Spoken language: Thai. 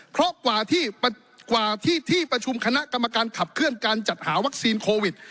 เพราะกว่าที่ที่ประชุมคณะกรรมการขับเคลื่อนการจัดหาวัคซีนโควิด